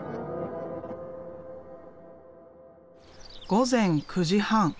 午前９時半。